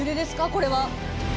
これは。